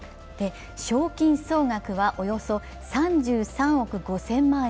賞金総額はおよそ３３億５０００万円。